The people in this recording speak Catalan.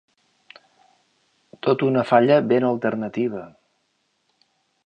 Tot una falla ben alternativa.